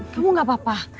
kamu gak apa apa